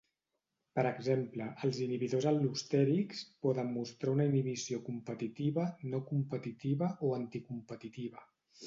Per exemple, els inhibidors al·lostèrics poden mostrar una inhibició competitiva, no competitiva o anticompetitiva.